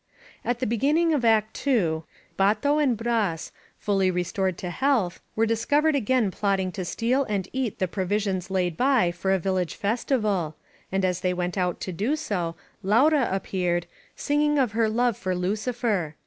At the beginning of Act II, Bato and Bras, fully restored to health, were discovered again plotting to steal and eat the provisions laid by for a village festi 333 INSURGENT MEXICO val, and as they went out to do so Laura appeared, singing of her love for Lucifer.